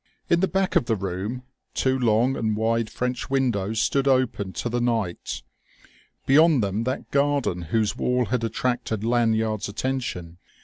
In the back of the room two long and wide French windows stood open to the night, beyond them that garden whose wall had attracted Lanyard's attention.